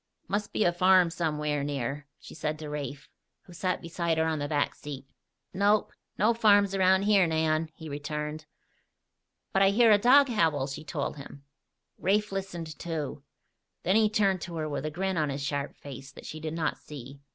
"Must be a farm somewhere near," she said to Rafe, who sat beside her on the back seat. "Nope. No farms around here, Nan," he returned. "But I hear a dog howl," she told him. Rafe listened, too. Then he turned to her with a grin on his sharp face that she did not see.